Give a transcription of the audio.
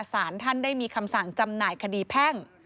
สารท่านได้มีคำสั่งจำหน่ายคดีแพ่ง